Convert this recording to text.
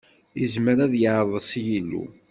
Yezmer ad yeɛḍes yilu?